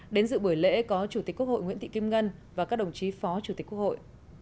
đến dự buổi lễ có chủ tịch quốc hội nguyễn thị kim ngân và các đồng chí phó chủ tịch quốc hội